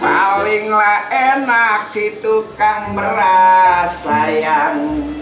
palinglah enak si tukang beras sayang